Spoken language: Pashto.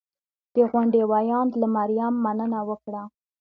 د غونډې ویاند له مریم مننه وکړه